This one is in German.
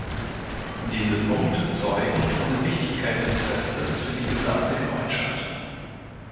Diese Punkte zeugen von der Wichtigkeit des Festes für die gesamte Gemeinschaft.